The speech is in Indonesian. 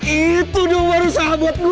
itu dong baru sahabat gue